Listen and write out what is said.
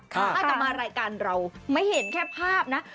ถ้าจะมารายการเราไม่เห็นแค่ภาพนะ